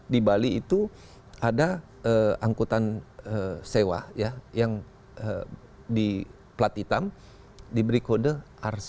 di bali itu ada angkutan sewa yang di plat hitam diberi kode rc